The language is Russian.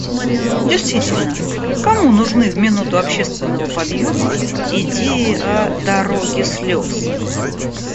Действительно, кому нужны в минуту общественного подъёма идеи о «дороге слез».